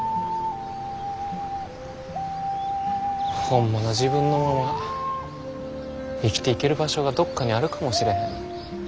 ホンマの自分のまま生きていける場所がどっかにあるかもしれへん。